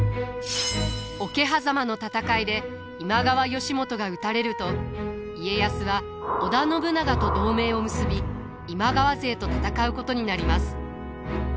桶狭間の戦いで今川義元が討たれると家康は織田信長と同盟を結び今川勢と戦うことになります。